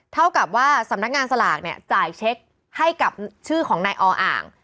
เท่ากับว่าสำนักงานสลากเนี่ยจ่ายเช็คให้กับชื่อของนายออ่าง